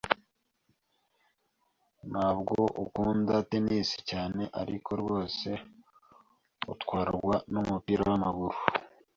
Ntabwo akunda tennis cyane, ariko rwose atwarwa numupira wamaguru.